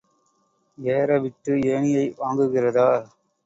ஏற விட்டு ஏணியை வாங்குகிறதா!